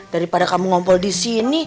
daripada kamu ngumpul di sini